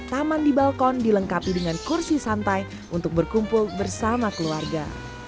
taman di balkon dilengkapi dengan kursi santai untuk berkumpul bersama keluarga